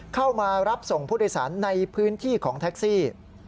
เข้ามารับส่งผู้โดยสารในพื้นที่ของแท็กซี่